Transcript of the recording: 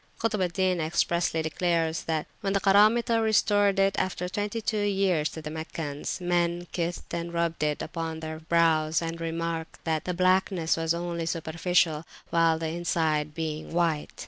Kutb al Din expressly declares that, when the Karamitah restored it after twenty two years to the Meccans, men kissed it and rubbed it upon their brows; and remarked that the blackness was only superficial, the inside being white.